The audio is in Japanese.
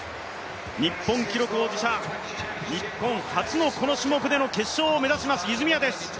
日本記録保持者、日本初のこの種目の決勝を目指します泉谷です。